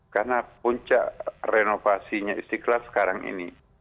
karena puncak renovasinya istiqlal sekarang ini